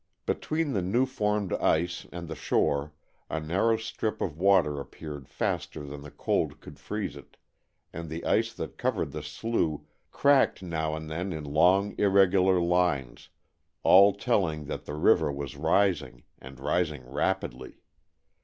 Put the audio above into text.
Between the new formed ice and the shore a narrow strip of water appeared faster than the cold could freeze it and the ice that covered the slough cracked now and then in long, irregular lines, all telling that the river was rising, and rising rapidly.